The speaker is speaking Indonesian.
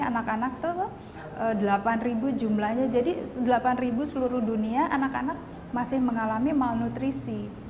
anak anak itu delapan ribu jumlahnya jadi delapan ribu seluruh dunia anak anak masih mengalami malnutrisi